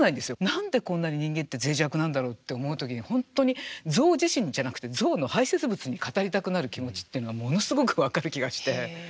何でこんなに人間ってぜい弱なんだろうって思う時に本当に象自身じゃなくて象の排せつ物に語りたくなる気持ちっていうのはものすごく分かる気がして。